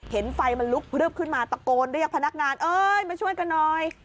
เห็นไฟมันลุกพลึบขึ้นมาตะโกนเรียกพนักงานเอ้ยมาช่วยกันหน่อย